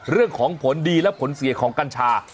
เรื่องของผลดีและผลเสียของกัญชา